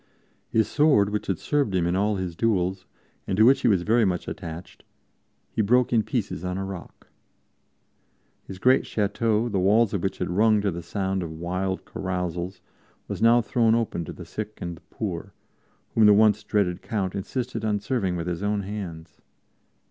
His sword, which had served him in all his duels, and to which he was very much attached, he broke in pieces on a rock. His great chateau, the walls of which had rung to the sound of wild carousals, was now thrown open to the sick and the poor, whom the once dreaded Count insisted on serving with his own hands.